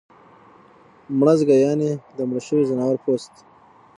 مړزګه یعنی د مړه شوي ځناور پوست